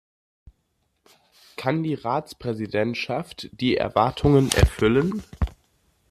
Kann die Ratspräsidentschaft die Erwartungen erfüllen?